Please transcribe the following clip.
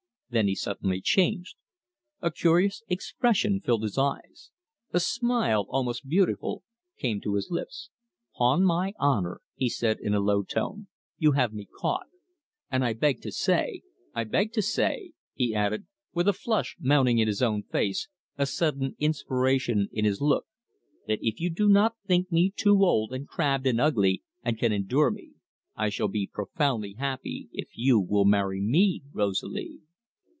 Then he suddenly changed. A curious expression filled his eyes. A smile, almost beautiful, came to his lips. "'Pon my honour," he said, in a low tone, "you have me caught! And I beg to say I beg to say," he added, with a flush mounting in his own face, a sudden inspiration in his look, "that if you do not think me too old and crabbed and ugly, and can endure me, I shall be profoundly happy if you will marry me, Rosalie."